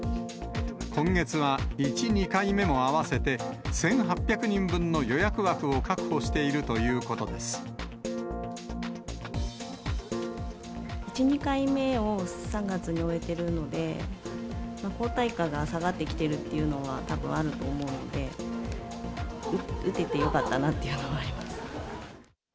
今月は１、２回目も合わせて、１８００人分の予約枠を確保しているというこ１、２回目を３月に終えてるので、抗体価が下がってきているっていうのは、たぶんあると思うので、打ててよかったなっていうのもあります。